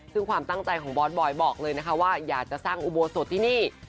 ซึ่งความตั้งใจของบอสบอยบอกเลยนะคะว่าอยากจะสร้างอุโบสถที่นี่